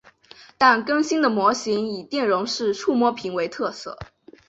但更新的模型以电容式触摸屏为特色。